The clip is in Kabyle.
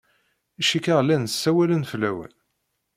Cikkeɣ llan ssawalen fell-awen.